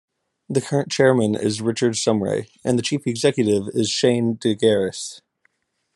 The current chairman is Richard Sumray, and the chief executive is Shane Degaris.